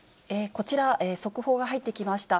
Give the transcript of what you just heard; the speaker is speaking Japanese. こちら、速報が入ってきました。